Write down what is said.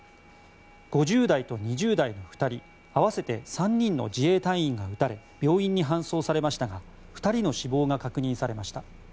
５０代と２０代の２人合わせて３人の自衛隊員が撃たれ病院に搬送されましたが２人の死亡が確認されました。